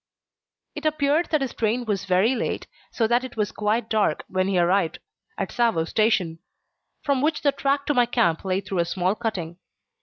It appeared that his train was very late, so that it was quite dark when he arrived at Tsavo Station, from which the track to my camp lay through a small cutting.